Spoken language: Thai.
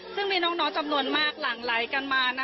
ซึ่งมีน้องจำนวนมากหลั่งไหลกันมา